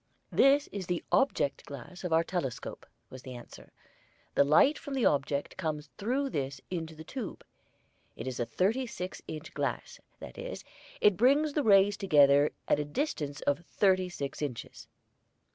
"This is the object glass of our telescope," was the answer. "The light from the object comes through this into the tube. It is a thirty six inch glass; that is, it brings the rays together at a distance of thirty six inches."